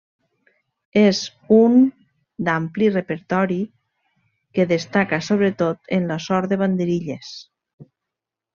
És un d'ampli repertori, que destaca sobretot en la sort de banderilles.